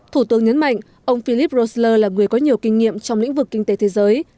thủ tướng nhấn mạnh ông philip roessler là người có nhiều kinh nghiệm trong lĩnh vực kinh tế thế giới